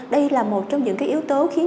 đây là một trong những yếu tố khiến